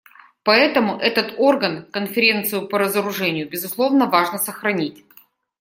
Поэтому этот орган, Конференцию по разоружению, безусловно, важно сохранить.